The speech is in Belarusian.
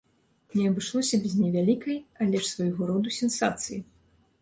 Не абышлося без невялікай, але ж свайго роду сенсацыі.